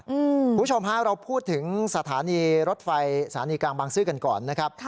คุณผู้ชมฮะเราพูดถึงสถานีรถไฟสถานีกลางบางซื่อกันก่อนนะครับ